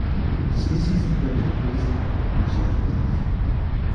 The species occurs in Queensland and New South Wales.